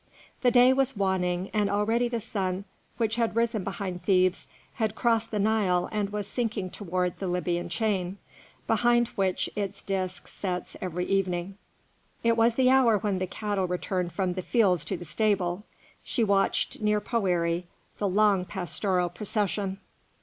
The day was waning, and already the sun, which had risen behind Thebes, had crossed the Nile and was sinking towards the Libyan chain, behind which its disc sets every evening. It was the hour when the cattle returned from the fields to the stable. She watched near Poëri the long pastoral procession.